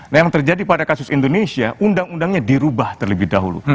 nah yang terjadi pada kasus indonesia undang undangnya dirubah terlebih dahulu